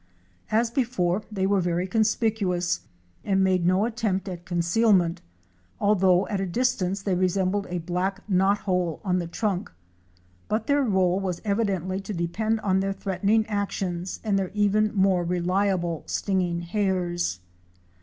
As before they were very conspicuous and made no attempt at concealment, although at a distance they resembled a black knot hole on the trunk. But their réle was evidently to Fic. 142. INDIAN HUNTER BRINGING IN A PECCARY. depend on their threatening actions and their even more reliable stinging hairs.